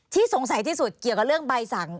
สงสัยที่สุดเกี่ยวกับเรื่องใบสั่ง